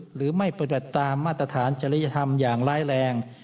หรือไม่ปฏิบัติตามมาตรฐานจริยธรรมอย่างร้ายแรง